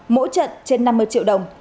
mỗi trận trên năm mươi triệu đồng